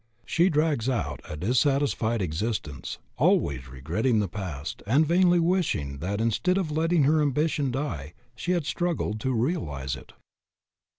She drags out a dissatisfied existence, always regretting the past, and vainly wishing, that, instead of letting her ambition die, she had struggled to realize it.